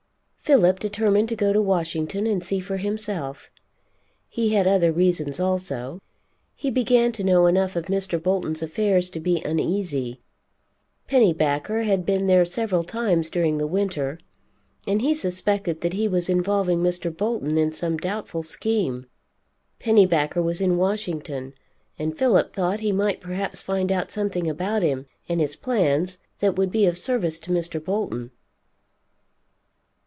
Philip determined to go to Washington and see for himself. He had other reasons also. He began to know enough of Mr. Bolton's affairs to be uneasy. Pennybacker had been there several times during the winter, and he suspected that he was involving Mr. Bolton in some doubtful scheme. Pennybacker was in Washington, and Philip thought he might perhaps find out something about him, and his plans, that would be of service to Mr. Bolton.